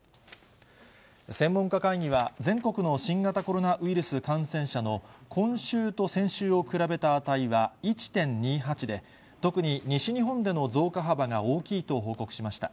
専門家会議は、全国の新型コロナウイルス感染者の今週と先週を比べた値は１．２８で、特に西日本での増加幅が大きいと報告しました。